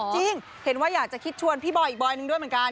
จริงเห็นว่าอยากจะคิดชวนพี่บอยอีกบอยนึงด้วยเหมือนกัน